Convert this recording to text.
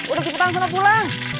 udah ke petang sama pulang